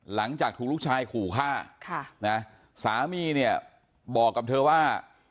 หลังจากถูกลูกชายขู่ฆ่าค่ะนะสามีเนี่ยบอกกับเธอว่า